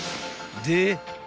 ［で］